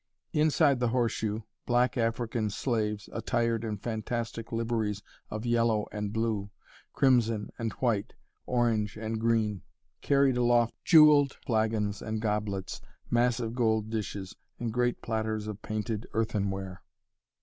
Inside the horseshoe, black African slaves, attired in fantastic liveries of yellow and blue, crimson and white, orange and green, carried aloft jewelled flagons and goblets, massive gold dishes and great platters of painted earthenware.